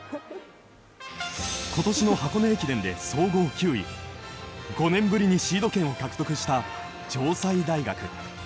今年の箱根駅伝で総合９位５年ぶりにシード権を獲得した城西大学。